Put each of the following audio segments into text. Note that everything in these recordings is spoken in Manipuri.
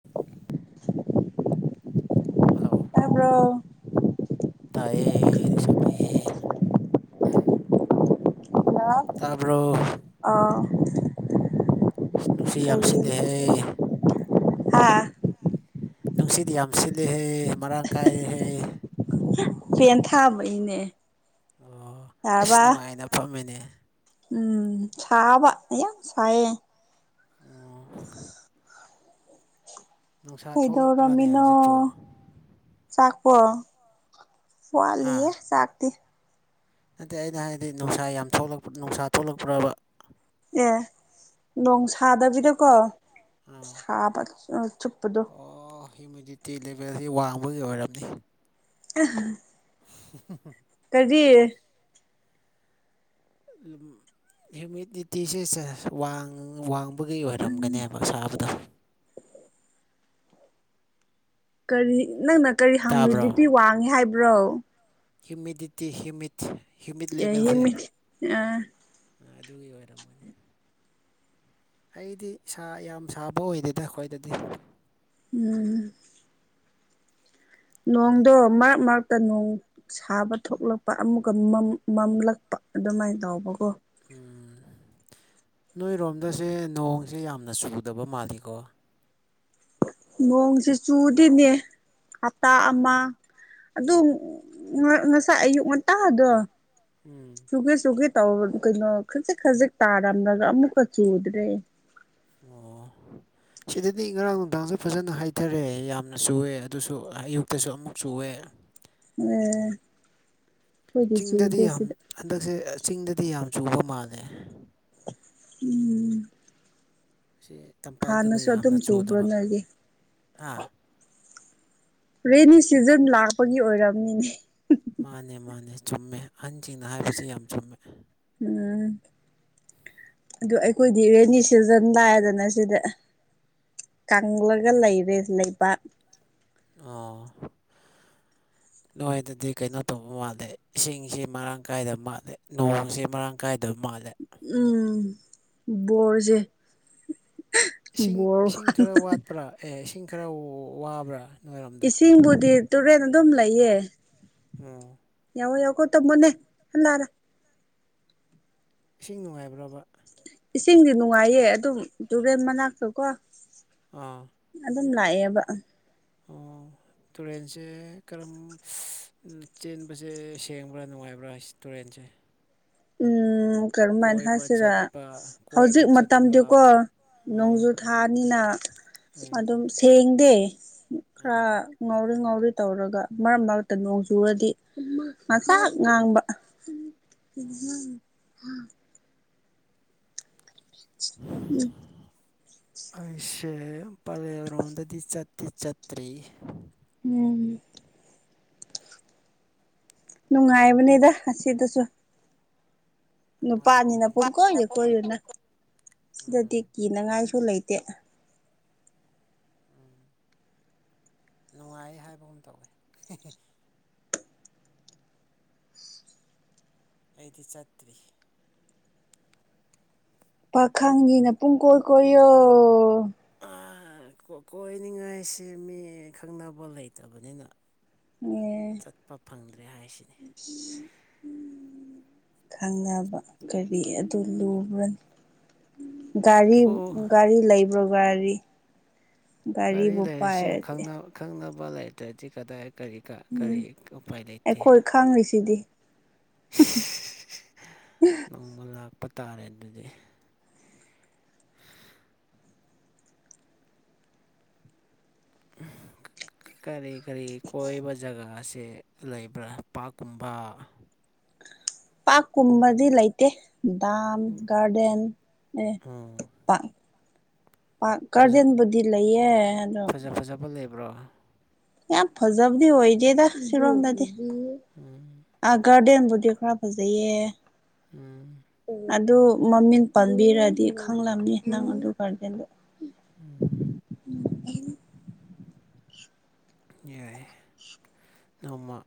[inaudible] ꯍꯜꯂꯣ ꯇꯥꯕ꯭ꯔꯣ ꯇꯥꯏꯌꯦ ꯂꯧꯁꯥꯕꯤ ꯇꯥꯕ꯭ꯔꯣ ꯑꯥꯎ ꯅꯨꯨꯡꯁꯤꯠ ꯌꯥꯝ ꯁꯤꯠꯂꯦꯍꯦ ꯍꯥ ꯅꯨꯡꯁꯤꯠ ꯌꯥꯝ ꯁꯤꯠꯂꯦꯍꯦ ꯃꯔꯥꯡ ꯀꯥꯏꯔꯦꯍꯦ ꯐꯦꯟ ꯊꯥꯕꯩꯅꯦ ꯑꯣ ꯑꯁ ꯌꯥꯔꯕ ꯅꯨꯡꯉꯥꯏꯅ ꯐꯝꯃꯤꯅꯦ ꯎꯝ ꯁꯥꯕ ꯑ ꯌꯥꯝ ꯁꯥꯏꯌꯦ ꯑꯣ ꯅꯨꯡꯁꯥ ꯊꯣꯛꯂꯛꯄ꯭ꯔꯅꯦ ꯀꯩꯗꯧꯔꯝꯃꯤꯅꯣ ꯍꯧꯖꯤꯛꯄꯨ ꯆꯥꯛꯄꯣ ꯍꯥ ꯋꯥꯠꯂꯤꯌꯦ ꯆꯥꯛꯇꯤ ꯅꯠꯇꯦ ꯑꯩꯅ ꯍꯥꯏꯗꯤ ꯅꯨꯡꯁꯥ ꯌꯥꯝ ꯊꯣꯛꯂꯛꯄ ꯅꯨꯡꯁꯥ ꯊꯣꯛꯂꯛꯄ꯭ꯔꯕ ꯑꯦ ꯅꯣꯡ ꯁꯥꯗꯕꯤꯗꯀꯣ ꯑꯥ ꯁꯥꯕ ꯆꯨꯞꯄꯗꯨ ꯑꯣ ꯍꯤꯃ꯭ꯌꯨꯗꯤꯇꯤ ꯂꯦꯚꯦꯜꯁꯤ ꯋꯥꯡꯕꯒꯤ ꯑꯣꯏꯔꯝꯅꯤ ꯑ [inaudible] ꯀꯔꯤ ꯍꯤꯃꯤꯗꯤꯇꯤꯁꯦ ꯋꯥꯡ ꯋꯥꯡ ꯒꯤ ꯎꯝ ꯑꯣꯏꯔꯝꯒꯅꯦꯕ ꯁꯥꯕꯗꯣ ꯀꯔꯤ ꯅꯪꯅ ꯀꯔꯤ ꯍꯪꯕ ꯇꯥꯕ꯭ꯔꯣ ꯕꯤ ꯄꯤ ꯋꯥꯡꯉꯤ ꯍꯥꯏꯕ꯭ꯔꯣ ꯍ꯭ꯌꯨꯃꯤꯗꯤꯇꯤ ꯍ꯭ꯌꯨꯃꯤꯠ ꯍ꯭ꯌꯨꯃꯤꯠ ꯑꯦ ꯍꯤ ꯂꯦꯚꯦꯜꯁꯦ ꯃꯤ ꯑ ꯑꯥ ꯑꯗꯨꯒꯤ ꯑꯣꯏꯔꯝꯒꯅꯤ ꯑꯩꯗꯤ ꯏꯁꯥ ꯌꯥꯝ ꯁꯥꯕ ꯑꯣꯏꯗꯦꯗ ꯑꯩꯈꯣꯏꯗꯗꯤ ꯎꯝ ꯅꯣꯡꯗꯣ ꯃꯔꯛ ꯃꯔꯛꯇ ꯅꯣꯡ ꯁꯥꯕ ꯊꯣꯛꯂꯛꯄ ꯑꯃꯨꯀ ꯃꯝꯂꯛꯄ ꯑꯗꯨꯃꯥꯏꯅ ꯇꯧꯕꯀꯣ ꯎꯝ ꯅꯣꯏꯔꯣꯝꯗꯁꯦ ꯅꯣꯡꯁꯦ ꯌꯥꯝꯅ ꯆꯨꯗꯕ ꯃꯥꯜꯂꯤꯀꯣ ꯅꯣꯡꯁꯤ ꯆꯨꯗꯅꯦ ꯍꯞꯇꯥ ꯑꯃ ꯑꯗꯨ ꯉꯁꯥꯏ ꯑꯌꯨꯛ ꯉꯟꯇꯥꯗꯣ ꯎꯝ ꯆꯨꯒꯦ ꯆꯨꯒꯦ ꯇꯧ ꯀꯩꯅꯣ ꯈꯖꯤꯛ ꯈꯖꯤꯛ ꯇꯥꯔꯝꯂꯒ ꯑꯃꯨꯛꯀ ꯆꯨꯗ꯭ꯔꯦ ꯑꯣ ꯁꯤꯗꯗꯤ ꯉꯔꯥꯡ ꯅꯨꯡꯗꯥꯡꯁꯨ ꯐꯖꯅ ꯍꯥꯏꯊꯔꯦ ꯌꯥꯝꯅ ꯆꯨꯋꯦ ꯑꯗꯨꯁꯨ ꯑꯌꯨꯛꯇꯁꯨ ꯑꯃꯨꯛ ꯆꯨꯑꯦ ꯎꯝ ꯆꯤꯡꯗꯗꯤ ꯌꯥꯝ ꯍꯟꯗꯛꯁꯦ ꯆꯤꯡꯗꯗꯤ ꯌꯥꯝ ꯆꯨꯕ ꯃꯥꯜꯂꯦ ꯎꯝ ꯁꯤ ꯇꯝꯄꯥꯛꯇꯅ ꯍꯥꯟꯅꯁꯨ ꯑꯗꯨꯝ ꯌꯥꯝꯅ ꯆꯨꯕ꯭ꯔꯣ ꯆꯨꯗꯕ ꯅꯣꯏꯒꯤ ꯍꯥ ꯔꯦꯅꯤ ꯁꯤꯖꯟ ꯂꯥꯛꯄꯒꯤ ꯑꯣꯏꯔꯝꯅꯤꯅꯦ ꯃꯥꯅꯦ ꯃꯥꯅꯦ ꯆꯨꯝꯃꯦ ꯑꯍꯟꯁꯤꯡꯅ ꯍꯥꯏꯕꯁꯤ ꯌꯥꯝ ꯆꯨꯝꯃꯦ ꯎꯝ ꯑꯗꯨ ꯑꯩꯈꯣꯏꯗꯤ ꯔꯦꯅꯤ ꯁꯤꯖꯟ ꯂꯥꯛꯑꯦꯗꯅ ꯁꯤꯗ ꯀꯪꯂꯒ ꯂꯩꯔꯦ ꯂꯩꯕꯥꯛ ꯑꯥ ꯅꯣꯏꯗꯗꯤ ꯀꯩꯅꯣ ꯇꯧꯕ ꯃꯥꯜꯂꯦ ꯏꯁꯤꯡꯁꯤ ꯃꯔꯥꯡ ꯀꯥꯏꯗ ꯃꯥꯜꯂꯦ ꯅꯣꯡꯁꯤ ꯃꯔꯥꯡ ꯀꯥꯏꯗ ꯃꯥꯜꯂꯦ ꯎꯝ ꯕꯣꯔꯁꯦ ꯏꯁꯤꯡ ꯕꯣꯔ ꯏꯁꯤꯡ ꯈꯔ ꯋꯥꯠꯄ꯭ꯔꯥ ꯑꯦ ꯏꯁꯤꯡ ꯈꯔ ꯋꯥꯕ꯭ꯔꯥ ꯅꯣꯏꯔꯣꯝꯗ ꯏꯁꯤꯡꯕꯨꯗꯤ ꯇꯨꯔꯦꯟ ꯑꯗꯨꯝ ꯂꯩꯌꯦ ꯑꯣ ꯌꯥꯎꯑꯣ ꯌꯥꯎꯀꯨꯠ ꯇꯝꯃꯨꯅꯦ ꯀꯅꯥꯔ ꯏꯁꯤꯡ ꯅꯨꯡꯉꯥꯏꯕ꯭ꯔꯕ ꯏꯁꯤꯡꯗꯤ ꯅꯨꯡꯉꯥꯏꯌꯦ ꯑꯗꯨꯝ ꯇꯨꯔꯦꯟ ꯃꯅꯥꯛꯇꯀꯣ ꯑꯥ ꯑꯗꯨꯝ ꯂꯥꯛꯑꯦꯕ ꯑꯣ ꯇꯨꯔꯦꯟꯁꯦ ꯀꯔꯝ ꯆꯦꯟꯕꯁꯦ ꯁꯦꯡꯕ꯭ꯔꯥ ꯅꯨꯡꯉꯥꯏꯕ꯭ꯔꯥ ꯇꯨꯔꯦꯟꯁꯦ ꯎꯝ ꯀꯔꯝꯃꯥꯏꯅ ꯀꯣꯏꯕ ꯍꯥꯏꯁꯤꯔ ꯆꯠꯄ ꯀꯣꯏꯕ ꯍꯧꯖꯤꯛ ꯆꯠꯄ ꯃꯇꯝꯗꯤꯀꯣ ꯎꯝ ꯅꯣꯡꯖꯨ ꯊꯥꯅꯤꯅ ꯎꯝ ꯑꯗꯨꯝ ꯁꯦꯡꯗꯦ ꯈꯔ ꯑꯥ ꯉꯥꯎꯔꯤ ꯉꯥꯎꯔꯤ ꯇꯧꯔꯒ ꯃꯔꯛ ꯃꯔꯛꯇ ꯅꯣꯡꯖꯆꯨꯔꯗꯤ ꯉꯥꯡꯁꯥꯛ ꯉꯥꯡꯕ ꯎꯝ [unintelligible] ꯎꯝ ꯑꯩꯁꯦ ꯄꯂꯦꯜ ꯔꯣꯝꯗꯗꯤ ꯆꯠꯇꯤ ꯆꯠꯇ꯭ꯔꯤ ꯃꯥꯅꯦ ꯅꯨꯡꯉꯥꯏꯕꯅꯦꯗ ꯑꯁꯤꯗꯁꯨ ꯅꯨꯄꯥꯅꯤꯅ ꯅꯨꯡꯉꯥꯏꯔꯝꯒꯅꯤ ꯄꯪꯀꯣꯏꯗ ꯀꯣꯏꯌꯨꯅ ꯎꯝ ꯁꯤꯗꯗꯤ ꯀꯤꯅꯉꯥꯏꯁꯨ ꯂꯩꯇꯦ ꯎꯝ ꯅꯨꯡꯉꯥꯏ ꯍꯥꯏꯕꯒꯨꯝ ꯇꯧꯋꯦ ꯑꯩꯗꯤ ꯆꯠꯇ꯭ꯔꯤ ꯄꯥꯈꯪꯒꯤꯅ ꯄꯨꯡ ꯀꯣꯏ ꯀꯣꯏꯌꯣ ꯀꯣꯏꯅꯤꯡꯉꯥꯏꯁꯤ ꯃꯤ ꯈꯪꯅꯕ ꯂꯩꯇꯕꯅꯤꯅ ꯑꯦ ꯆꯠꯄ ꯐꯪꯗ꯭ꯔꯦ ꯍꯥꯏꯁꯤꯅꯤ ꯈꯪꯅꯕ ꯀꯔꯤ ꯑꯗꯨ ꯂꯨꯕ꯭ꯔꯅꯤ ꯒꯥꯔꯤ ꯑꯣ ꯒꯥꯔꯤ ꯂꯩꯕ꯭ꯔꯣ ꯒꯥꯔꯤ ꯒꯥꯔꯤ ꯒꯥꯔꯤꯕꯨ ꯂꯩꯔꯁꯨ ꯄꯥꯏꯔꯗꯤ ꯈꯪꯅ ꯈꯪꯅꯕ ꯂꯩꯇ꯭ꯔꯗꯤ ꯀꯗꯥꯏ ꯀꯔꯤ ꯎꯝ ꯀꯔꯤ ꯎꯄꯥꯏ ꯂꯩꯇꯦ ꯑꯩꯈꯣꯏ ꯈꯪꯉꯤꯁꯤꯗꯤ [inaudible] ꯅꯣꯡꯃ ꯂꯥꯛꯄ ꯇꯥꯔꯦ ꯑꯗꯨꯗꯤ [inaudible] ꯀꯔꯤ ꯀꯔꯤ ꯀꯣꯏꯕ ꯖꯒꯥꯁꯦ ꯂꯩꯕ꯭ꯔꯥ ꯄꯥꯛꯀꯨꯝꯕ ꯄꯥꯛ ꯀꯨꯝꯕꯗꯤ ꯂꯩꯇꯦ ꯗꯥꯝ ꯒꯥꯔꯗꯦꯟ ꯑꯦ ꯎꯝ ꯄꯥꯛ ꯄꯥꯛ ꯐꯖ ꯒꯥꯔꯗꯦꯟꯕꯨꯗꯤ ꯂꯩꯌꯦ ꯑꯗꯣ ꯐꯖ ꯐꯖꯕ ꯂꯩꯕ ꯕ꯭ꯔꯣ ꯌꯥꯝ ꯐꯖꯕꯗꯤ ꯑꯣꯏꯗꯦꯗ ꯁꯤꯔꯣꯝꯗꯗꯤ ꯎꯝ ꯑ ꯒꯔꯗꯦꯟꯕꯨꯗꯤ ꯈꯔ ꯐꯖꯩꯌꯦ ꯎꯝ ꯑꯗꯨ ꯃꯃꯤꯡ ꯄꯟꯕꯤꯔꯗꯤ ꯈꯪꯂꯝꯃꯤ ꯅꯪ ꯑꯗꯨ ꯒꯥꯔꯗꯦꯟꯗꯣ ꯎꯝ ꯌꯥꯏꯌꯦ ꯅꯣꯡꯃ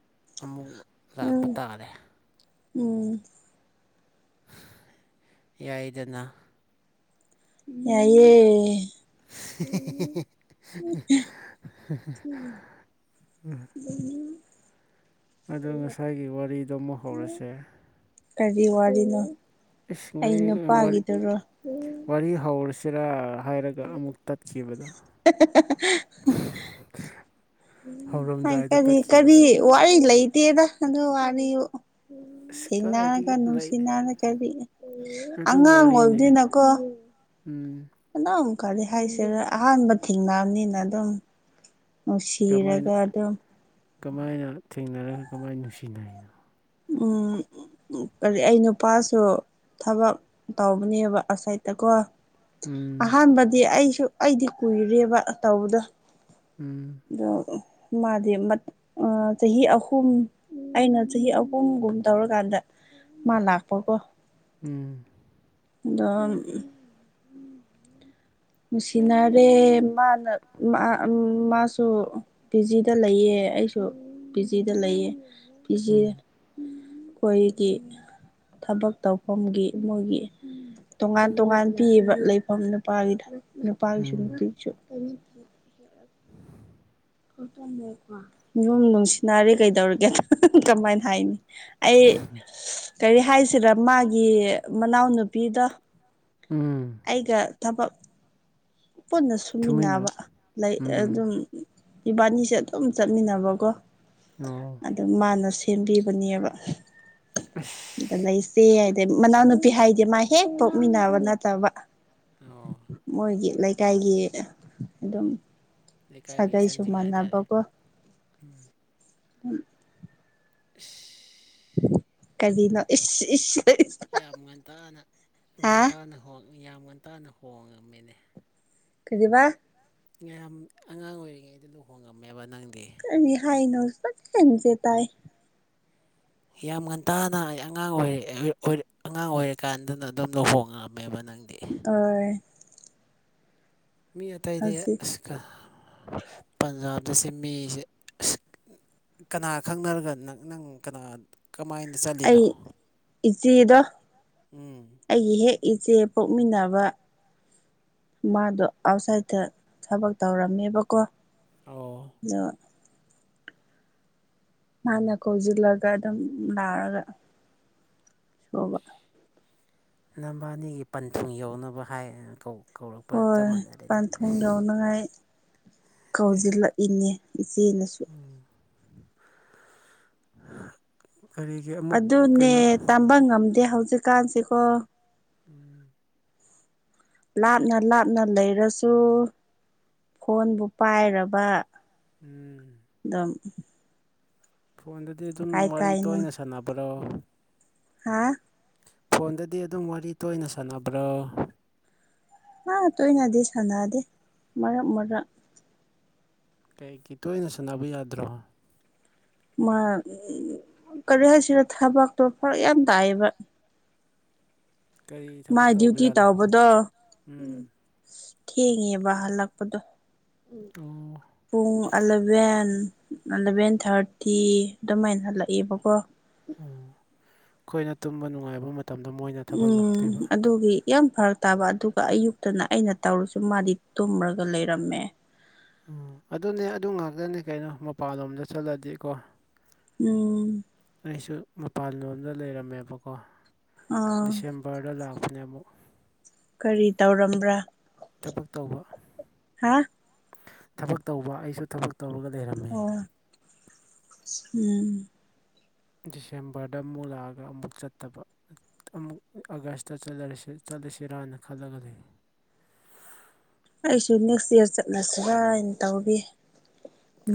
ꯑꯃꯨꯛ ꯂꯥꯛꯄ ꯎꯝ ꯇꯥꯔꯦ ꯎꯝ ꯌꯥꯏꯗꯅ ꯌꯥꯏꯌꯦ ꯎꯝ [unintelligible] ꯑꯗꯨ [inaudible] ꯑꯗꯣ ꯉꯁꯥꯏꯒꯤ ꯋꯥꯔꯤꯗꯣ ꯑꯃꯨꯛ ꯍꯧꯔꯁꯦ ꯀꯔꯤ ꯋꯥꯔꯤꯅꯣ ꯏꯁ ꯑꯩ ꯉꯔꯤ ꯋꯥꯔꯤ ꯅꯨꯄꯥꯒꯤꯗꯨꯔꯣ ꯋꯥꯔꯤ ꯍꯧꯔꯁꯤꯔꯥ ꯍꯥꯏꯔꯒ ꯑꯃꯨꯛ ꯇꯠꯈꯤꯕꯗꯣ ꯍꯣꯏ ꯍꯧꯔꯝꯗꯥꯏꯗ ꯀꯔꯤ ꯀꯔꯤ ꯇꯠꯈꯤꯕꯗꯣ ꯋꯥꯔꯤ ꯂꯩꯇꯦꯗ ꯑꯗꯨ ꯋꯥꯔꯤꯕꯨ ꯑꯁ ꯊꯦꯡꯅꯔꯒ ꯀꯥꯏꯗꯒꯤ ꯂꯩ ꯅꯨꯡꯁꯤꯅꯔꯒꯗꯤ ꯑꯗꯨ ꯑꯉꯥꯡ ꯋꯥꯔꯤꯅꯦ ꯑꯣꯏꯕꯅꯤꯅꯀꯣ ꯎꯝ ꯑꯗꯨꯝ ꯀꯔꯤ ꯍꯥꯏꯁꯤꯔ ꯑꯍꯥꯟꯕ ꯊꯦꯡꯅꯕꯅꯤꯅ ꯑꯗꯨꯝ ꯀꯃꯥꯏꯅ ꯅꯨꯡꯁꯤꯔꯒ ꯑꯗꯨꯝ ꯀꯃꯥꯏꯅ ꯊꯦꯡꯅꯔꯒ ꯀꯃꯥꯏꯅ ꯅꯨꯡꯁꯤꯅꯔꯤꯅꯣ ꯎꯝ ꯀꯔꯤ ꯑꯩ ꯅꯨꯄꯥꯁꯨ ꯊꯕꯛ ꯇꯧꯕꯅꯦꯕ ꯑꯥꯎꯠꯁꯥꯏꯠꯇꯀꯣ ꯎꯝ ꯑꯍꯥꯟꯕꯗꯤ ꯑꯩꯁꯨ ꯑꯩꯗꯤ ꯀꯨꯏꯔꯦꯕ ꯇꯧꯕꯗꯣ ꯎꯝ ꯑꯗꯣ ꯃꯥꯗꯤ ꯆꯍꯤ ꯑꯍꯨꯝ ꯑꯩꯅ ꯆꯍꯤ ꯑ ꯍꯨꯝ ꯒꯨꯝ ꯇꯧꯔꯀꯥꯟꯗ ꯃꯥ ꯂꯥꯛꯄꯀꯣ ꯎꯝ ꯗꯝ ꯃꯁꯤꯅꯔꯦ ꯃꯥꯅ ꯃꯥ ꯑꯃꯥꯁꯨ ꯁꯨ ꯄꯤꯖꯤꯗ ꯂꯩꯌꯦ ꯑꯩꯁꯨ ꯄꯤ ꯖꯗ ꯂꯩꯌꯦ ꯄꯤ ꯖꯤ ꯎꯝ ꯑꯩꯈꯣꯏꯒꯤ ꯊꯕꯛ ꯇꯧꯐꯝꯒꯤ ꯃꯣꯏꯒꯤ ꯇꯣꯉꯥꯟ ꯇꯣꯉꯥꯟ ꯄꯤꯕ ꯂꯩꯐꯝ ꯅꯨꯄꯥꯒꯤꯗ ꯅꯨꯄꯥꯒꯤꯁꯨ ꯎꯝ ꯅꯨꯄꯤꯒꯤꯁꯨ ꯨꯌꯨꯝ ꯅꯨꯡꯁꯤ ꯅꯥꯔꯤ ꯀꯩꯗꯧꯔꯒꯦ ꯀꯃꯥꯏꯅ ꯍꯥꯏꯅꯤ ꯑꯩ ꯀꯔꯤ ꯍꯥꯏꯁꯤꯔ ꯃꯥꯒꯤ ꯃꯅꯥꯎꯅꯨꯄꯤꯗꯣ ꯎꯝ ꯑꯩꯒ ꯊꯕꯛ ꯄꯨꯟꯅ ꯇꯨꯃꯤꯟꯅ ꯁꯨꯃꯤꯟꯅꯕ ꯂꯩ ꯎꯝ ꯑꯗꯨꯝ ꯏꯕꯥꯅꯤꯁꯦ ꯑꯗꯨꯝ ꯆꯠꯃꯤꯟꯅꯕꯀꯣ ꯑꯣ ꯑꯗꯨ ꯃꯥꯅ ꯁꯦꯝꯕꯤꯕꯅꯦꯕ ꯑꯗ ꯑꯁ ꯂꯩꯁꯦ ꯑꯗ ꯃꯅꯥꯎꯅꯨꯄꯤ ꯍꯥꯏꯗꯤ ꯃꯥ ꯍꯦꯛ ꯄꯣꯛꯃꯤꯟꯅꯕ ꯅꯠꯇꯕ ꯑꯣ ꯃꯣꯏꯒꯤ ꯂꯩꯀꯥꯏꯒꯤ ꯑꯗꯨꯝ ꯁꯥꯒꯩ ꯁꯃꯥꯟꯅꯕꯀꯣ ꯎꯝ ꯎꯝ ꯏꯁ ꯀꯔꯤꯅ ꯏꯁ ꯏꯁ ꯌꯥꯝ ꯉꯟꯇꯥꯅ ꯍꯥ ꯉꯟꯇꯥꯅ ꯍꯣꯡ ꯌꯥꯝ ꯉꯟꯇꯥꯅ ꯍꯣꯡꯉꯝꯃꯤꯅꯦ ꯀꯔꯤꯕꯥ ꯃꯌꯥꯝ ꯑꯉꯥꯡ ꯑꯣꯏꯔꯤꯉꯩꯗ ꯂꯨꯍꯣꯡꯉꯝꯃꯦꯕ ꯅꯪꯗꯤ ꯀꯔꯤ ꯍꯥꯏꯅꯣꯁꯦ ꯃꯆꯦꯠ ꯃꯆꯦꯠ ꯇꯥꯏ ꯌꯥꯝ ꯉꯟꯇꯥꯅ ꯑꯩ ꯑꯉꯥꯡ ꯑꯣꯏꯔꯤꯛꯑꯦ ꯑꯉꯥꯡ ꯑꯣꯏꯔꯤꯀꯥꯟꯗꯅ ꯑꯗꯨꯝ ꯂꯨꯍꯣꯡꯉꯝꯃꯦꯕ ꯅꯪꯗꯤ ꯑꯣ ꯃꯤ ꯑꯇꯩꯗꯤ ꯍꯧꯖꯤꯛ ꯑ ꯄꯟꯖꯥꯕꯗꯁꯦ ꯃꯤꯁꯦ ꯀꯅꯥ ꯈꯪꯅꯔꯒ ꯅꯪ ꯅꯪ ꯀꯅꯥ ꯀꯃꯥꯏꯅ ꯆꯠꯂꯤꯅꯣ ꯑꯩ ꯏꯆꯦꯗꯣ ꯎꯝ ꯑꯩꯒꯤ ꯍꯦꯛ ꯏꯆꯦ ꯄꯣꯛꯃꯤꯟꯅꯕ ꯃꯥꯗꯣ ꯑꯥꯎꯠꯁꯥꯏꯗꯠꯇ ꯊꯕꯛ ꯇꯧꯔꯝꯃꯦꯕꯀꯣ ꯑꯣ ꯑꯗꯣ ꯃꯥꯥꯟꯅ ꯀꯧꯖꯤꯜꯂꯒ ꯑꯗꯨꯝ ꯂꯥꯛꯔꯒ ꯁꯨꯕ ꯅꯝꯕꯥꯅꯤꯒꯤ ꯄꯟꯊꯨꯡ ꯌꯧꯅꯕ ꯍꯥꯏ ꯀꯧ ꯀꯧꯔꯛꯄ ꯆꯞ ꯃꯥꯟꯅꯔꯦꯅꯦ ꯌꯥꯎꯅꯉꯥꯏ ꯀꯧꯖꯤꯜꯂꯛꯏꯅꯦ ꯏꯆꯦꯅꯁꯨ ꯀꯔꯤ ꯑꯗꯨꯅꯦ ꯇꯝꯕ ꯉꯝꯗꯦ ꯍꯧꯖꯤꯛꯀꯥꯟꯁꯦꯀꯣ ꯎꯝ ꯂꯥꯞꯅ ꯂꯥꯞꯅ ꯂꯩꯔꯁꯨ ꯐꯣꯟꯕꯨ ꯄꯥꯏꯔꯕ ꯎꯝ ꯎꯝ ꯗꯨꯝ ꯐꯣꯟꯗꯗꯤ ꯑꯗꯨꯝ ꯋꯥꯔꯤ ꯀꯥꯏꯅꯣ ꯇꯣꯏꯅ ꯁꯥꯟꯅꯕ꯭ꯔꯣ ꯍꯥ ꯐꯣꯟꯗꯗꯤ ꯑꯗꯨꯝ ꯋꯥꯔꯤ ꯇꯣꯏꯅ ꯁꯥꯟꯅꯕ꯭ꯔꯥ ꯍꯥ ꯇꯣꯏꯅꯗꯤ ꯁꯥꯟꯅꯗꯦ ꯃꯔꯛ ꯃꯔꯛ ꯀꯩꯒꯤ ꯇꯣꯏꯅ ꯁꯥꯟꯅꯕ ꯌꯥꯗ꯭ꯔꯣ ꯃꯥ ꯀꯔꯤ ꯍꯥꯏꯁꯤꯔ ꯊꯕꯛꯇꯣ ꯐꯔꯛ ꯌꯥꯝ ꯇꯥꯏꯌꯦꯕ ꯀꯔꯤ ꯊꯕꯛ ꯃꯥꯏ ꯗ꯭ꯌꯨꯇꯤ ꯇꯧꯕꯖꯥꯠꯂꯣ ꯇꯧꯕꯗꯣ ꯎꯝ ꯊꯦꯡꯉꯦꯕ ꯍꯜꯂꯛꯄꯗꯣ ꯑꯣ ꯄꯨꯡ ꯑꯂꯚꯦꯟ ꯑꯂꯚꯦꯟ ꯊꯥꯔꯇꯤ ꯑꯗꯨꯃꯥꯏꯅ ꯍꯜꯂꯛꯑꯦꯕꯀꯣ ꯑꯣ ꯑꯈꯣꯏꯅ ꯇꯨꯝꯕ ꯅꯨꯡꯉꯥꯏꯕ ꯃꯠ ꯇꯝꯗ ꯃꯣꯏꯅ ꯊꯕꯛ ꯎꯝ ꯂꯥꯛꯇꯣꯏꯕ ꯑꯗꯨꯒꯤ ꯌꯥꯝ ꯐꯔꯛ ꯇꯥꯕ ꯑꯗꯨꯒ ꯑꯌꯨꯛꯇꯅ ꯑꯩꯅ ꯇꯧꯔꯁꯨ ꯃꯥꯗꯤ ꯇꯨꯝꯔꯒ ꯂꯩꯔꯝꯃꯦ ꯎꯝ ꯑꯗꯨꯅꯦ ꯑꯗꯨ ꯉꯥꯛꯇꯅꯦ ꯀꯩꯅꯣ ꯃꯄꯥꯟꯂꯣꯝꯗ ꯆꯠꯂꯗꯤꯀꯣ ꯎꯝ ꯑꯩꯁꯨ ꯃꯄꯥꯟ ꯂꯣꯝꯗ ꯂꯩꯔꯝꯃꯦꯕꯀꯣ ꯑꯥ ꯗꯤꯁꯦꯝ ꯕꯔꯗ ꯂꯥꯛꯄꯅꯦ ꯑꯃꯨꯛ ꯀꯔꯤ ꯇꯧꯔꯝꯕ꯭ꯔꯥ ꯊꯕꯛ ꯇꯧꯕ ꯍꯥ ꯊꯕꯛ ꯇꯧꯕ ꯑꯩꯁꯨ ꯊꯕꯛ ꯇꯧꯔꯒ ꯂꯩꯔꯝꯃꯦ ꯑꯣ ꯎꯝ ꯗꯤꯁꯦꯝꯕꯔꯗ ꯃꯨꯛ ꯂꯥꯛꯑꯒ ꯑꯃꯨꯛ ꯆꯠꯇꯕ ꯇꯃꯨꯛ ꯑꯥꯒꯁꯇ ꯆꯠꯂꯔꯁꯤ ꯆꯠꯂꯁꯤꯔꯥꯅ ꯈꯜꯂꯒ ꯂꯩ ꯑꯩꯁꯨ ꯅꯦꯛꯁ ꯏꯌꯥꯔ ꯆꯠꯂꯁꯤꯔꯅ ꯇꯧꯔꯤ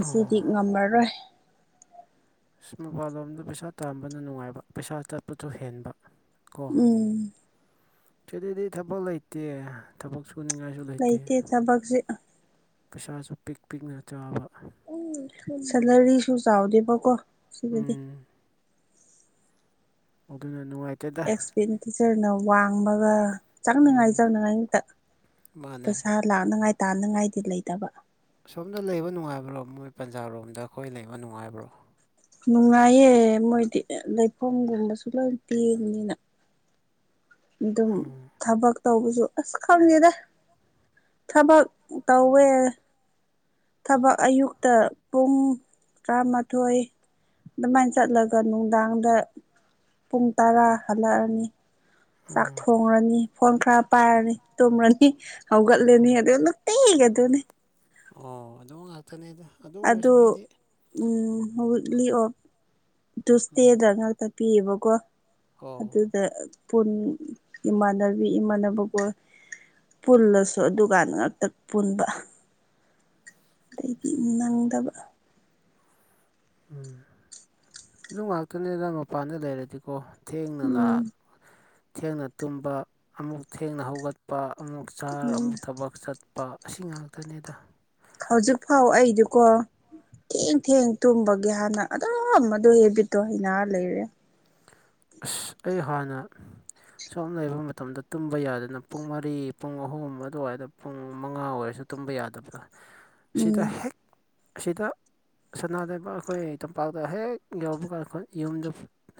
ꯑꯣ ꯉꯝꯃꯔꯣꯏ ꯑꯁ ꯃꯄꯥꯜ ꯂꯣꯝꯗ ꯄꯩꯁꯥ ꯇꯥꯝꯕꯅ ꯅꯨꯡꯉꯥꯏꯕ ꯄꯩꯁꯥ ꯆꯠꯄꯁꯨ ꯍꯦꯟꯕ ꯀꯣ ꯎꯝ ꯁꯤꯗꯗꯤ ꯊꯕꯛ ꯂꯩꯇꯦ ꯊꯕꯛ ꯁꯨꯅꯤꯡꯉꯥꯏ ꯨ ꯁꯨ ꯂꯩꯇꯦ ꯄꯩꯁꯥꯁꯨ ꯄꯤꯛ ꯄꯤꯛꯅ ꯆꯥꯕ ꯁꯦꯜꯂꯔꯤꯁꯨ ꯆꯥꯎꯗꯦꯕꯀꯣ ꯁꯤꯗꯗꯤ ꯎꯝ ꯑꯗꯨꯅ ꯅꯨꯡꯉꯥꯏ ꯑꯦꯛꯁꯄꯦꯟꯗꯤꯆꯔꯅ ꯋꯥꯡꯕꯒ ꯆꯪꯅꯤꯡꯉꯥꯏ ꯎꯝ ꯆꯪꯅꯤꯡꯉꯥꯏ ꯉꯥꯛꯇ ꯃꯥꯅꯦ ꯄꯩꯁꯥ ꯂꯥꯛꯅꯉꯥꯏ ꯇꯥꯟꯅꯉꯥꯏꯗꯤ ꯂꯩꯇꯕ ꯑꯁꯣꯝꯗ ꯂꯩꯕ ꯅꯨꯡꯉꯥꯏꯕ꯭ꯔꯣ ꯃꯣꯏ ꯄꯟꯖꯥꯔꯣꯝꯗ ꯑꯈꯣꯏ ꯂꯩꯕ ꯅꯨꯡꯉꯥꯏꯕ꯭ꯔꯣ ꯅꯨꯡꯉꯥꯏꯌꯦ ꯃꯣꯏꯗꯤ ꯂꯩꯐꯝꯒꯨꯝꯕꯁꯨ ꯂꯣꯏ ꯄꯤꯕꯅꯤꯅ ꯑꯗꯨꯝ ꯎꯝ ꯊꯕꯛ ꯇꯧꯕꯁꯨ ꯑꯁ ꯈꯪꯗꯦꯗ ꯊꯕꯛ ꯇꯧꯋꯦ ꯊꯕꯛ ꯑꯌꯨꯛꯇ ꯄꯨꯡ ꯇꯔꯥꯃꯥꯊꯣꯏ ꯑꯗꯨꯃꯥꯏ ꯆꯠꯂꯒ ꯅꯨꯡꯗꯥꯡꯗ ꯄꯨꯡ ꯇꯔꯥ ꯍꯜꯂꯛꯑꯅꯤ ꯆꯥꯛ ꯎꯝ ꯊꯣꯡꯔꯅꯤ ꯐꯣꯟ ꯈꯔ ꯄꯥꯏꯔꯅꯤ ꯇꯨꯝꯔꯅꯤ ꯍꯧꯒꯠꯂꯦꯅꯤ ꯑꯗꯨ ꯅꯨꯡꯇꯤꯒꯤ ꯑꯗꯨꯅꯤ ꯑꯣ ꯑꯗꯨ ꯉꯥꯛꯇꯅꯦꯗ ꯑꯗꯨ ꯑꯣꯏꯔꯁꯨ ꯑꯩꯗꯤ ꯎꯝ ꯋꯤꯛꯂꯤ ꯑꯣꯐ ꯎꯝ ꯇꯨꯁꯗꯦꯗ ꯉꯥꯛ ꯇ ꯄꯤꯌꯦꯕꯀꯣ ꯑꯣ ꯑꯗꯨ ꯑ ꯄꯨꯟ ꯏꯃꯥꯟꯅꯕꯤ ꯏꯃꯥꯟꯅꯕꯒꯣꯏ ꯄꯨꯜꯂꯁꯨ ꯑꯗꯨꯀꯥꯟꯗ ꯉꯥꯛꯇ ꯄꯨꯟꯕ ꯑꯗꯩꯗꯤ ꯅꯪꯗꯕ ꯎꯝ ꯑꯗꯨ ꯉꯥꯛꯇꯅꯦꯗ ꯃꯄꯥꯟꯗ ꯂꯩꯔꯗꯤꯀꯣ ꯊꯦꯡꯅ ꯂꯥꯛ ꯎꯝ ꯊꯦꯡꯅ ꯇꯨꯝꯕ ꯑꯃꯨꯛ ꯊꯦꯡꯅ ꯍꯧꯒꯠꯄ ꯑꯃꯨꯛ ꯆꯥꯔ ꯎꯝ ꯑꯃꯨꯛ ꯊꯕꯛ ꯆꯠꯄ ꯑꯁꯤ ꯉꯥꯛꯇꯅꯤꯗ ꯍꯧꯖꯤꯛ ꯐꯥꯎ ꯑꯩꯗꯨꯀꯣ ꯊꯦꯡ ꯊꯦꯡ ꯇꯨꯝꯕꯒꯤ ꯍꯥꯟꯅ ꯑꯗꯨꯝ ꯑꯗꯨ ꯍꯦꯕꯤꯠꯇꯣ ꯍꯩꯅꯔ ꯂꯩꯔꯦ꯫ ꯑꯁ ꯑꯩ ꯍꯥꯟꯅ ꯁꯣꯝ ꯂꯩꯕ ꯃꯇꯝꯗ ꯇꯨꯝꯕ ꯌꯥꯗꯅ ꯄꯨꯡ ꯃꯔꯤ ꯄꯨꯡ ꯑꯍꯨꯝ ꯑꯗꯨꯋꯥꯏꯗ ꯄꯨꯡ ꯃꯉꯥ ꯑꯣꯏꯔꯁꯨ ꯇꯨꯝꯕ ꯌꯥꯗꯕꯗ ꯁꯤꯗ ꯎꯝ ꯍꯦꯛ ꯑꯁꯤꯗ ꯁꯅꯥ ꯂꯩꯕ ꯑꯩꯈꯣꯏ ꯇꯝꯄꯥꯛꯇ ꯍꯦꯛ ꯌꯧꯕ ꯀꯥꯟꯗ ꯑꯩꯈ ꯌꯨꯝꯗꯨ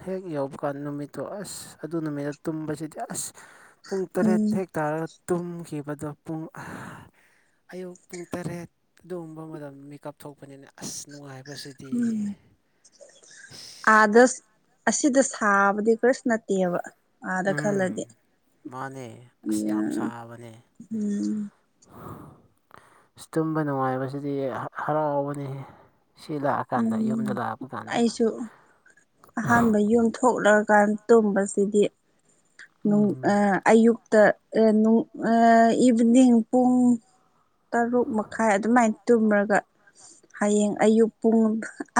ꯍꯦꯛ ꯌꯧꯕ ꯀꯥꯟꯗ ꯅꯨꯃꯤꯠꯇꯣ ꯑꯁ ꯑꯗꯨ ꯅꯨꯃꯤꯠꯇ ꯇꯨꯝꯕꯁꯤꯗꯤ ꯑꯁ ꯄꯨꯡ ꯇꯔꯦꯠ ꯎꯝ ꯍꯦꯛ ꯇꯔꯥ ꯇꯨꯝꯈꯤꯕꯗꯣ ꯄꯨꯡ ꯑꯌꯨꯛ ꯄꯨꯡ ꯇꯔꯦꯠ ꯑꯗꯨꯒꯨꯝꯕ ꯃꯇꯝꯗꯗ ꯃꯤꯀꯞ ꯊꯣꯛꯄꯅꯤꯅ ꯑꯁ ꯅꯨꯡꯉꯥꯏ ꯕꯁꯤꯗꯤ ꯏꯁ ꯑꯥꯗꯁ ꯑꯁꯤꯗ ꯁꯥꯕꯗꯤ ꯀꯔꯤꯁꯨ ꯅꯠꯇꯦꯕ꯫ ꯑꯥꯗ ꯎꯝ ꯈꯜꯂꯗꯤ ꯃꯥꯅꯦ ꯑꯁ ꯑꯗꯨꯅ ꯌꯥꯝ ꯁꯥꯕꯅꯦ ꯎꯝ ꯇꯨꯝꯕ ꯅꯨꯡꯉꯥꯏꯕꯁꯤꯗꯤ ꯍ ꯍꯔꯥꯎꯕꯅꯤꯍꯦ ꯁꯤ ꯂꯥꯛ ꯀꯥꯟꯗ ꯌꯨꯝꯗ ꯎꯝ ꯂꯥꯛꯄ ꯀꯥꯟꯗ ꯑꯩꯁꯨ ꯑꯍꯥꯟꯕ ꯌꯨꯝ ꯊꯣꯛꯂꯀꯥꯟ ꯇꯨꯝꯕꯁꯤꯗꯤ ꯅꯨꯡ ꯎꯝ ꯑ ꯑꯌꯨꯛꯇ ꯑ ꯅꯨꯡ ꯑ ꯏꯚꯅꯤꯡ ꯄꯨꯡ ꯇꯔꯨꯛ ꯃꯈꯥꯏ ꯑꯗꯨꯃꯥꯏ ꯇꯨꯝꯔꯒ ꯍꯌꯦꯡ ꯑꯌꯨꯛ ꯄꯨꯡ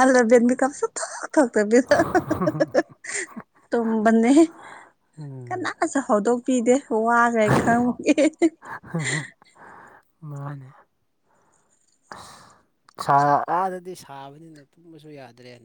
ꯑꯂꯕꯦꯟꯗꯒ ꯁꯨꯊꯣꯛ ꯊꯣꯛꯇꯕꯤ ꯎ ꯇꯨꯝꯕꯅꯦ ꯎꯝ ꯀꯅꯥꯁꯨ ꯍꯧꯗꯣꯛꯄꯤꯗꯦ ꯋꯥꯈ꯭ꯔꯦꯅ ꯈꯪꯕꯒꯤ꯫ ꯃꯥꯅꯦ ꯑꯁ ꯑꯥꯗꯗꯤ ꯁꯥꯕꯅꯤꯅ ꯇꯨꯝꯕꯁꯨ ꯌꯥꯗ꯭ꯔꯦꯟ